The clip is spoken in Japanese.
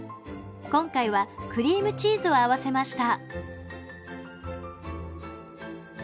今回はクリームチーズを合わせました。